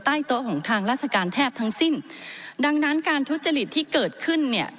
โต๊ะของทางราชการแทบทั้งสิ้นดังนั้นการทุจริตที่เกิดขึ้นเนี่ย